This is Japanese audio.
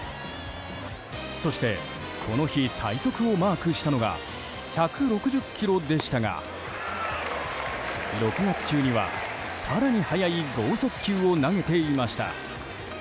そして、この日最速をマークしたのが１６０キロでしたが６月中には、更に速い剛速球を投げていました。